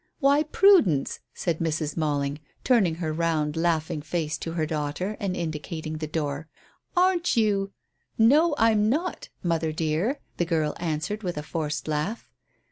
"Why, Prudence," said Mrs. Malling, turning her round laughing face to her daughter and indicating the door. "Aren't you " "No, I'm not, mother dear," the girl answered with a forced laugh.